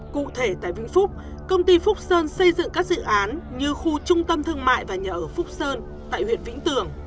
cụ thể tại vĩnh phúc công ty phúc sơn xây dựng các dự án như khu trung tâm thương mại và nhà ở phúc sơn tại huyện vĩnh tường